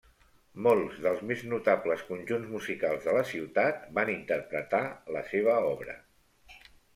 Molts dels més notables conjunts musicals de la ciutat van interpretar la seva obra.